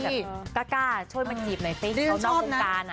ใครแบบกล้าช่วยมาจีบหน่อยเฟ้ยเขานอกงงการ